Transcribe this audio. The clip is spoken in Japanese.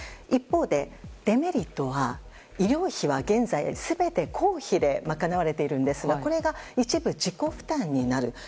一方でデメリットは医療費は現在全て公費で賄われているんですがこれが一部、自己負担になる。